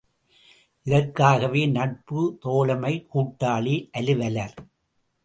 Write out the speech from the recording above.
இதற்காகவே நட்பு தோழமை கூட்டாளி அலுவலர்!